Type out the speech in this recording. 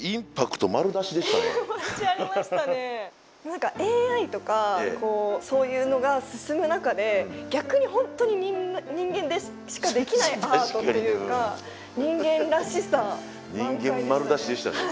何かＡＩとかそういうのが進む中で逆に本当に人間でしかできないアートっていうか人間らしさ満開でしたね。